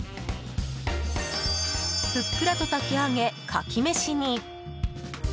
ふっくらと炊き上げ、カキめしに。